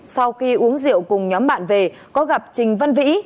sau khi uống rượu cùng nhóm bạn về có gặp trình văn vĩ